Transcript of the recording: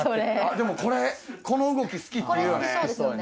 でもこれこの動き好きっていうよね